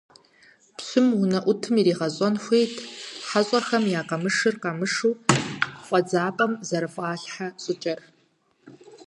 Пщым унэӀутым иригъэщӏэн хуейт хьэщӀэхэм я къамышыр къамышы фӀэдзапӀэм зэрыфӀалъхьэ щӀыкӀэр.